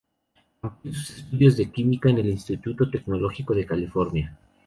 Amplió sus estudios de química en el Instituto Tecnológico de California.